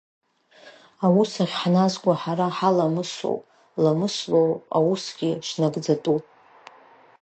Аус ахь ҳназго ҳара ҳаламысоуп, ламыслоуп аусгьы шнагӡатәу…